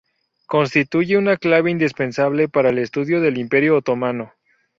Constituye una clave indispensable para el estudio del Imperio otomano.